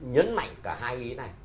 nhấn mạnh cả hai ý này